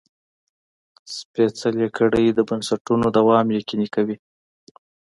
سپېڅلې کړۍ د بنسټونو دوام یقیني کوي.